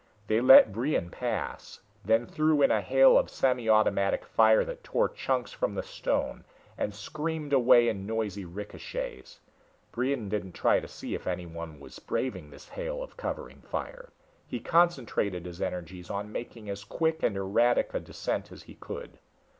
They let Brion pass, then threw in a hail of semi automatic fire that tore chunks from the stone and screamed away in noisy ricochets. Brion didn't try to see if anyone was braving this hail of covering fire; he concentrated his energies on making as quick and erratic a descent as he could.